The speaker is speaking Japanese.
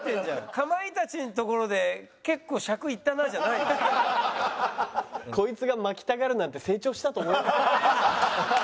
かまいたちのところで「結構尺いったな」じゃないの。こいつが巻きたがるなんて成長したと思いません？